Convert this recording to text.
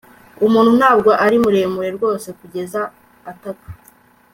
umuntu ntabwo ari muremure rwose kugeza ataka